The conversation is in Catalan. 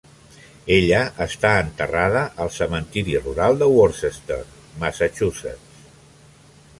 Ella està enterrada al cementiri rural de Worcester, Massachusetts.